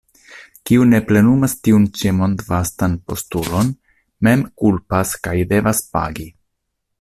Kiu ne plenumas tiun ĉi mondvastan postulon, mem kulpas kaj devas pagi.